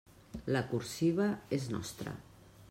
La cursiva és nostra.